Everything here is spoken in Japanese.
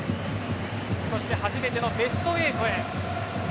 そして初めてのベスト８へ。